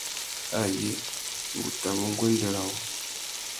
Ayé, ngu tà mu nguêndê râ wô.